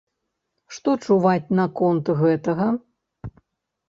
Што чуваць наконт гэтага?